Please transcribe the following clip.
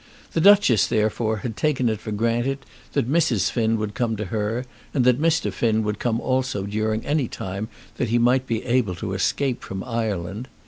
The Duchess, therefore, had taken it for granted that Mrs. Finn would come to her, and that Mr. Finn would come also during any time that he might be able to escape from Ireland.